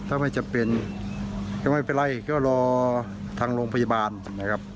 ถ้าไม่จำเป็นก็ไม่เป็นไรก็รอทางโรงพยาบาลนะครับ